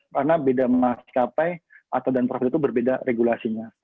karena beda maskapai dan profit itu berbeda regulasinya